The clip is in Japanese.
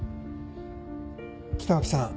北脇さん